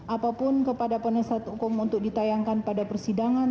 apapun kepada penasihat hukum untuk ditayangkan pada persidangan